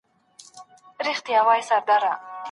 الهي ستا د خوشالو لپاره